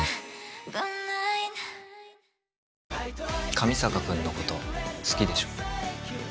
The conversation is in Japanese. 上坂君のこと好きでしょ？